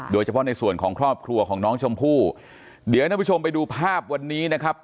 โดยเฉพาะในส่วนของครอบครัวของน้องชมพู่เดี๋ยวท่านผู้ชมไปดูภาพวันนี้นะครับ